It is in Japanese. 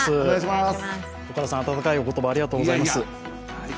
岡田さん、温かいお言葉ありがとうございます。